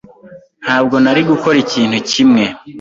Ntabwo nari gukora ikintu kimwe.